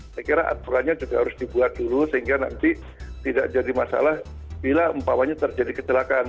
saya kira aturannya juga harus dibuat dulu sehingga nanti tidak jadi masalah bila umpamanya terjadi kecelakaan